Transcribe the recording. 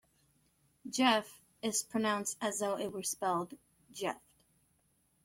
"Geff" is pronounced as though it were spelled "Jeff".